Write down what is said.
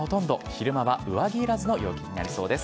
昼間は上着いらずの陽気になりそうです。